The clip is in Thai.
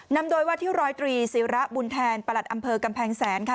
นำโดยว่าที่ร้อยตรีศิระบุญแทนประหลัดอำเภอกำแพงแสนค่ะ